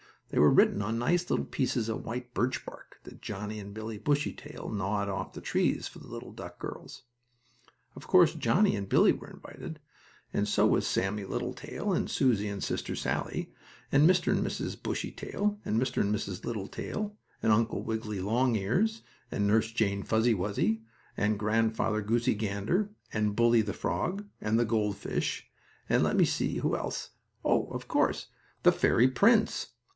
They were written on nice little pieces of white birch bark that Johnnie and Billie Bushytail gnawed off the trees for the little duck girls. Of course, Johnnie and Billie were invited, and so was Sammie Littletail, and Susie and Sister Sallie, and Mr. and Mrs. Bushytail, and Mr. and Mrs. Littletail, and Uncle Wiggily Longears, and Nurse Jane Fuzzy Wuzzy, and Grandfather Goosey Gander, and Bully, the frog, and the goldfish, and, let me see, who else? Oh, of course, the fairy prince.